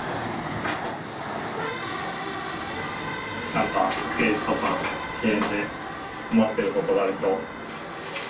なんかケースとか支援で困ってることがある人。